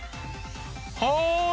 はい。